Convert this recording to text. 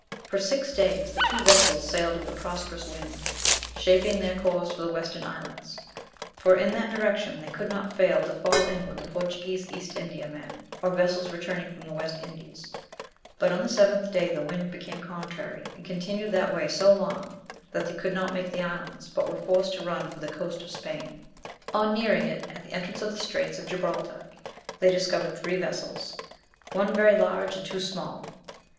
For six days the two vessels sailed with a prosperous wind, shaping their course for the Western Islands, for, in that direction they could not fail to fall in with Portuguese East India men, or vessels returning from the West Indies; but on the seventh day the wind became contrary and continued that way so long that they could not make the islands, but were forced to run for the coast of Spain. On nearing it at the entrance of the straits of Gibraltar, they discovered three vessels, one very large and two small.